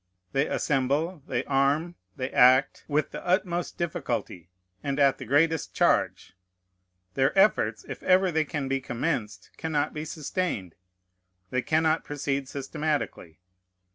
They assemble, they arm, they act, with the utmost difficulty, and at the greatest charge. Their efforts, if ever they can be commenced, cannot be sustained. They cannot proceed systematically.